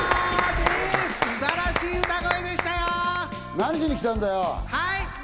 何しに来たんだよ！